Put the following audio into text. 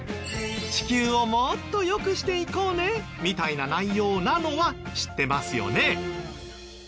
地球をもっと良くしていこうねみたいな内容なのは知ってますよね？